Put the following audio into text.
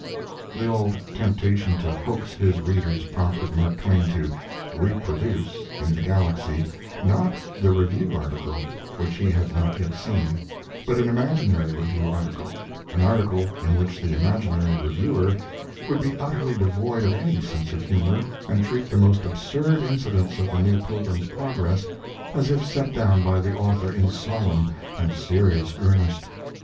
The old temptation to hoax his readers prompted Mark Twain to "reproduce" in the Galaxy, not the Review article, which he had not yet seen, but an imaginary Review article, an article in which the imaginary reviewer would be utterly devoid of any sense of humor and treat the most absurd incidents of The New Pilgrim's Progress as if set down by the author in solemn and serious earnest.